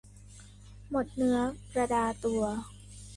หมดเนื้อประดาตัว